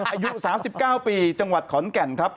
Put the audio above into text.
อายุ๓๙ปีจังหวัดขอนแก่นครับ